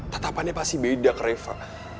tetapannya pasti beda ke reva